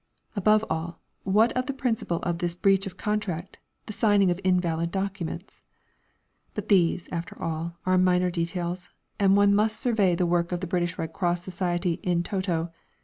Above all, what of the principle of this breach of contract, the signing of invalid documents? But these, after all, are minor details, and one must survey the work of the British Red Cross Society in toto.